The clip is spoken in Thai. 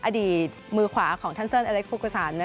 อดีตมือขวาของท่านเสิร์นเอเล็กซ์ฟุกุศัล